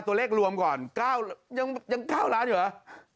ตัวเลขรวมก่อนยัง๙ล้านอยู่เหรอ